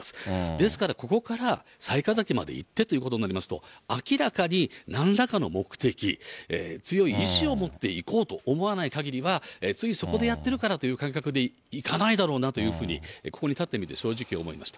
ですからここから、雑賀崎まで行ってということになりますと、明らかになんらかの目的、強い意志を持って行こうと思わないかぎりは、ついそこでやってるからっていう感覚で行かないだろうなというふうに、ここに立ってみて、正直思いました。